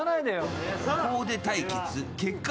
コーデ対決結果